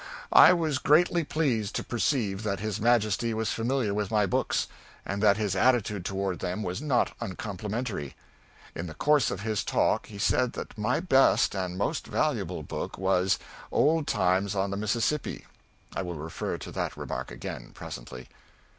I was greatly pleased to perceive that his Majesty was familiar with my books, and that his attitude toward them was not uncomplimentary. In the course of his talk he said that my best and most valuable book was "Old Times on the Mississippi." I will refer to that remark again, presently.